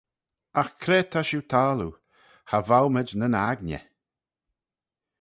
Agh cre ta shiu taggloo? Cha vowmayd nyn aigney!